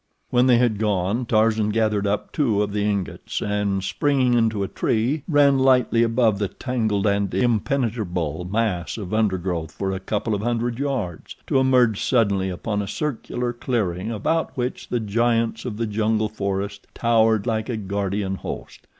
When they had gone Tarzan gathered up two of the ingots and, springing into a tree, ran lightly above the tangled and impenetrable mass of undergrowth for a couple of hundred yards, to emerge suddenly upon a circular clearing about which the giants of the jungle forest towered like a guardian host.